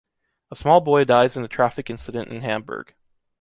A small boy dies in a traffic incident in Hamburg.